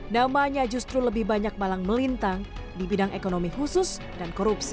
namanya justru lebih banyak malang melintang di bidang ekonomi khusus dan korupsi